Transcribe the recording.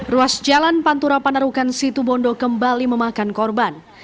ruas jalan pantura panarukan situbondo kembali memakan korban